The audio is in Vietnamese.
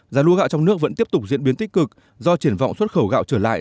giá lúa gạo trong nước vẫn tiếp tục diễn biến tích cực do triển vọng xuất khẩu gạo trở lại